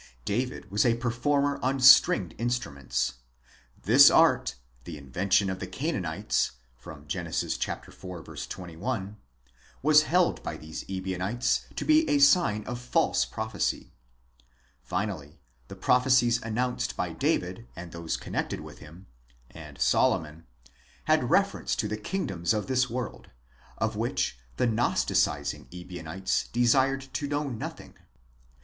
David was a performer on stringed instruments ; this art, the invention of the Canaanites (Gen. iv. 21), was held by these Ebionites to be a sign of false prophecy; finally, the prophecies announced by David and those connected with him, (and Solomon,) had reference to the kingdoms of this world, of which the Gnosticising Ebionites desired to know nothing!